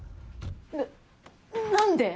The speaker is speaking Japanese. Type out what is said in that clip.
な何で？